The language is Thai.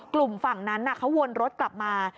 กลุ่มฝั่งนั้นเขาวนรถกลับมา